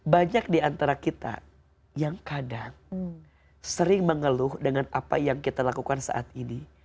banyak diantara kita yang kadang sering mengeluh dengan apa yang kita lakukan saat ini